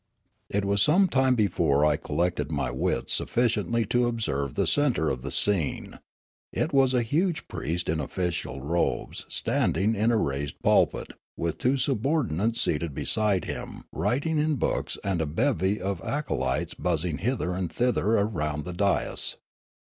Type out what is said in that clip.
It was some time before I collected my wits suffi ciently to observe the centre of the scene ; it was a huge priest in official robes standing in a raised pulpit with two subordinates seated beside him writing in books and a bevy of acolytes buzzing hither and thither around the dais.